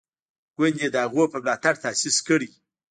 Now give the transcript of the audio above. ګوند یې د هغوی په ملاتړ تاسیس کړی.